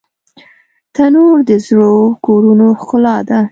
تنور د زړو کورونو ښکلا ده